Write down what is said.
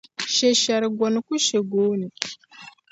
Shɛshɛri' goni ku she gooni.